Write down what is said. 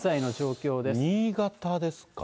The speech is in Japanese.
新潟ですか。